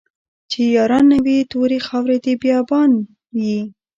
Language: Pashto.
چې ياران نه وي توري خاوري د بيا بان يې